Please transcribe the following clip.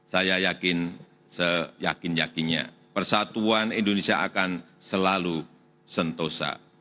saya yakin seyakin yakinnya persatuan indonesia akan selalu sentosa